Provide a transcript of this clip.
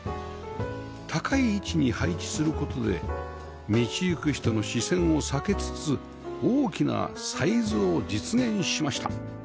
高い位置に配置する事で道行く人の視線を避けつつ大きなサイズを実現しました